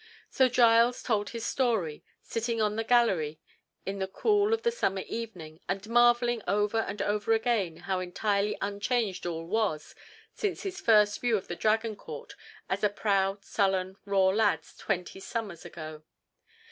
So Giles told his story, sitting on the gallery in the cool of the summer evening, and marvelling over and over again how entirely unchanged all was since his first view of the Dragon court as a proud, sullen, raw lad twenty summers ago.